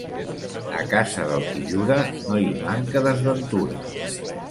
A casa del qui jura no hi manca desventura.